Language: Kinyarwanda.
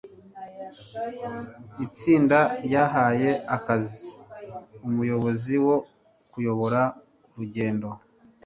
Itsinda ryahaye akazi umuyobozi wo kuyobora urugendo.